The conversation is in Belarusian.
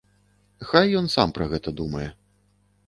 Хай ён сам пра гэта думае.